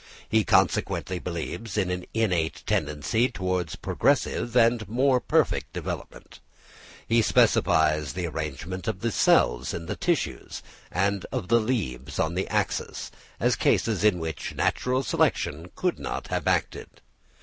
He consequently believes in an innate tendency towards progressive and more perfect development. He specifies the arrangement of the cells in the tissues, and of the leaves on the axis, as cases in which natural selection could not have acted.